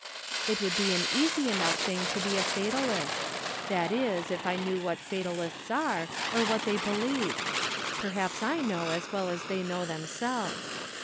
It would be an easy enough thing to be a Fatalist — that is, if I knew what Fatalists are or what they believe ; perhaps I know as well as they know themselves.